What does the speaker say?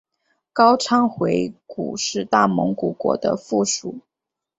高昌回鹘是大蒙古国的附庸。